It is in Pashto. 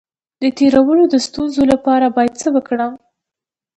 د تیرولو د ستونزې لپاره باید څه وکړم؟